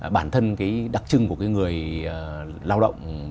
bản thân cái đặc trưng của cái người lao động